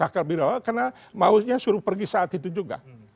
karena maunya suruh pergi saat itu juga